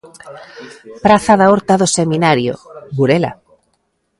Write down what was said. Praza da Horta do Seminario, Burela.